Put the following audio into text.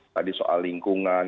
tadi soal lingkungan